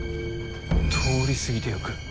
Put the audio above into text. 通り過ぎていく。